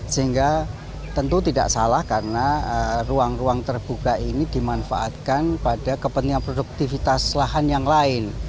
sehingga tentu tidak salah karena ruang ruang terbuka ini dimanfaatkan pada kepentingan produktivitas lahan yang lain